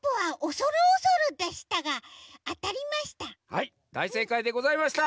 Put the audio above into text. はいだいせいかいでございました。